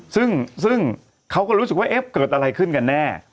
ซึ่งเขาก็รู้สึกว่าเอ๊ะเกิดอะไรขึ้นกันแน่